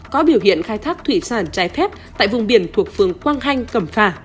có biểu hiện khai thác thủy sản trái phép tại vùng biển thuộc phường quang hanh cẩm phà